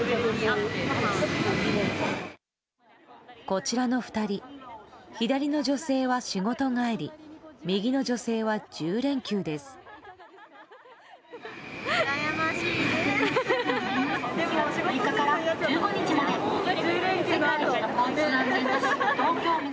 こちらの２人左の女性は仕事帰り右の女性は１０連休です。